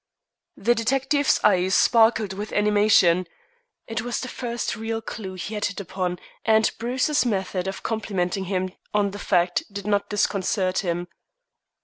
The detective's eyes sparkled with animation. It was the first real clue he had hit upon, and Bruce's method of complimenting him on the fact did not disconcert him.